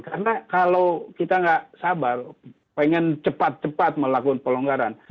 karena kalau kita nggak sabar pengen cepat cepat melakukan pelonggaran